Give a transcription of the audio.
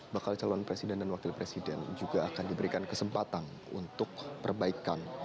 bakal calon presiden dan wakil presiden juga akan diberikan kesempatan untuk perbaikan